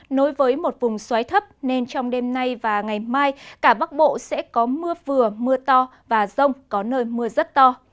nối với một vùng xoáy thấp nên trong đêm nay và ngày mai cả bắc bộ sẽ có mưa vừa mưa to và rông có nơi mưa rất to